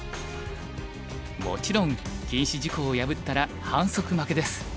もちろん禁止事項を破ったら反則負けです。